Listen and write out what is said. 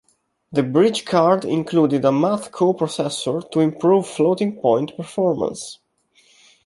The bridge card included a math co-processor to improve floating-point performance.